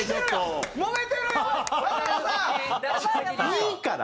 いいから！